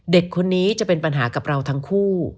เด็กคนนี้จะเป็นปัญหากับเราทั้งคู่